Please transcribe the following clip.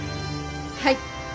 はい。